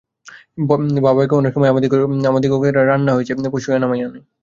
ভাবাবেগ অনেক সময়ই আমাদিগকে পশুস্তরে নামাইয়া আনে।